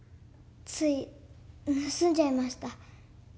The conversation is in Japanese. つい盗んじゃいました。